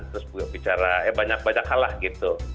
terus bicara ya banyak banyak hal lah gitu